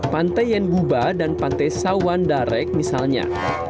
pantai yenbuba dan pantai sawan darek misalnya